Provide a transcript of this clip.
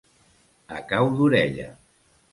A cau d'orella.